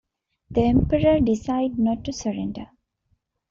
The Emperor decided not to surrender.